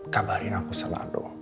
kabarin aku selalu